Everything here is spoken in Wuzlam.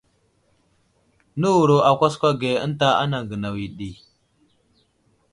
Nəwuro a kwaskwa ge ənta anaŋ gənaw ɗi.